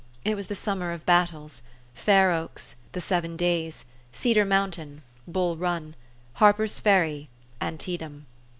It was the summer of battles , Fair Oaks , The Seven Days, Cedar Mountain, Bull Run, Har per's Ferry, Antietam.